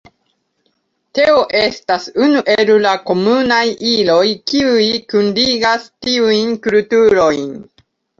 Teo estas unu el la komunaj iloj, kiuj kunligas tiujn kulturojn.